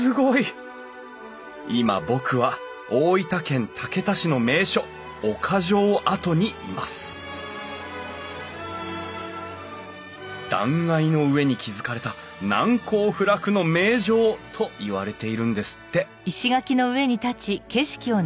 今僕は大分県竹田市の名所岡城跡にいます断崖の上に築かれた「難攻不落の名城」といわれているんですって